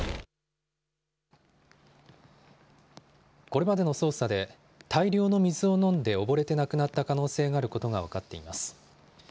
これまでの捜査で、大量の水を飲んで溺れて亡くなった可能性があることが分かっています。